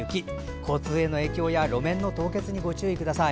交通への影響や路面の凍結にご注意ください。